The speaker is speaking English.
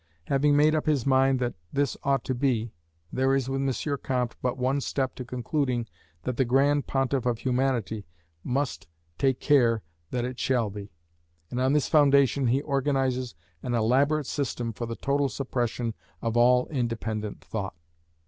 Having made up his mind that this ought to be, there is with M. Comte but one step to concluding that the Grand Pontiff of Humanity must take care that it shall be; and on this foundation he organizes an elaborate system for the total suppression of all independent thought.